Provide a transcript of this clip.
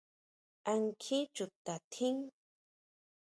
¿A nkjin chuta tjín?